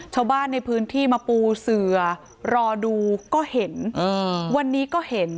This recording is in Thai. ชาวบ้านในพื้นที่มาปูเสือรอดูก็เห็นวันนี้ก็เห็น